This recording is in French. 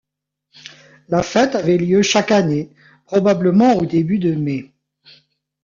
La fête avait lieu chaque année, probablement au début de Mai.